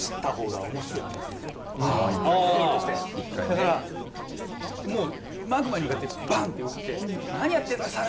だからもうマグマに向かってバン！って打って「何やってんだ猿！」